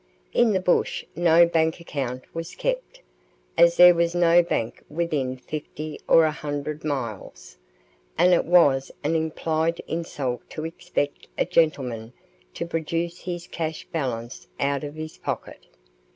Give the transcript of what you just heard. In the bush no bank account was kept, as there was no bank within fifty or a hundred miles; and it was an implied insult to expect a gentleman to produce his cash balance out of his pocket.